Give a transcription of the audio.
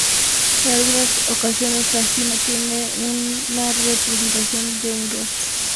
En algunas ocasiones la cima tiene una representación de un rostro humano.